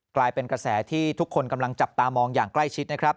กลายเป็นกระแสที่ทุกคนกำลังจับตามองอย่างใกล้ชิดนะครับ